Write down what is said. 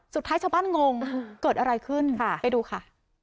สุดท้ายชาวบ้านงงเกิดอะไรขึ้นไปดูค่ะ